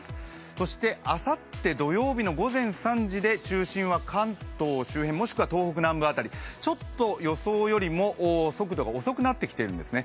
そしてあさって土曜日の午前３時で中心は関東周辺、もしくは東北南部辺り、ちょっと予想よりも速度が遅くなってきているんですね。